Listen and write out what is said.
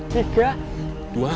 tiga dua satu